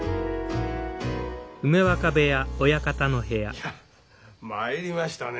いや参りましたね